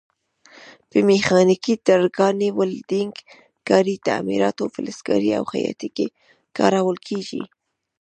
په میخانیکي، ترکاڼۍ، ویلډنګ کارۍ، تعمیراتو، فلزکارۍ او خیاطۍ کې کارول کېږي.